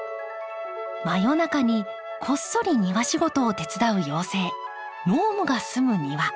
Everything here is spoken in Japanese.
真夜中にこっそり庭仕事を手伝う妖精ノームが住む庭。